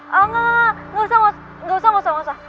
gak gak gak gak gak usah gausah gausah gausah